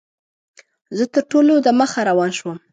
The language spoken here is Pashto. زه تر ټولو دمخه روان شوم.